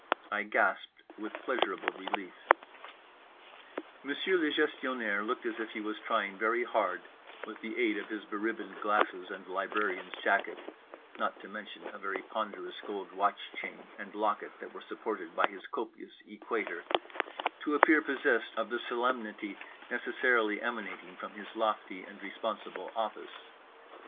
I gasped with pleasurable relief. Monsieur le Gestionnaire looked as if he was trying very hard, with the aid of his beribboned glasses and librarian's jacket (not to mention a very ponderous gold watch chain and locket that were supported by his copious equator) to appear possessed of the solemnity necessarily emanating from his lofty and responsible office.